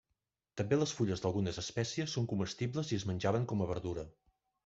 També les fulles d'algunes espècies són comestibles i es menjaven com a verdura.